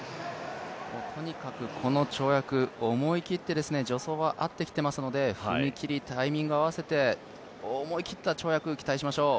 とにかくこの跳躍思い切って助走は合ってきていますので踏み切りタイミング合わせて思い切った跳躍、期待しましょう。